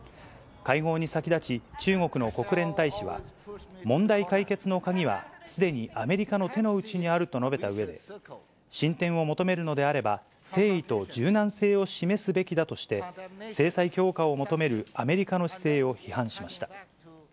会合に先立ち、中国の国連大使は、問題解決の鍵はすでにアメリカの手の内にあると述べたうえで、進展を求めるのであれば、誠意と柔軟性を示すべきだとして、制裁強化を求めるアメリカの姿勢を批判しました。